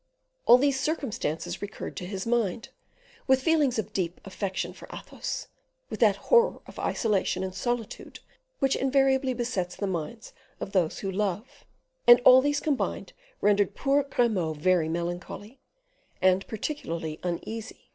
All these circumstances recurred to his mind, with feelings of deep affection for Athos, with that horror of isolation and solitude which invariably besets the minds of those who love; and all these combined rendered poor Grimaud very melancholy, and particularly uneasy.